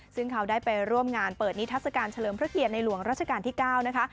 ซึ่งเขาได้ไปร่วมงานเปิดนิทัศกาลเฉลิมพระเกียรติในหลวงราชการที่๙นะคะ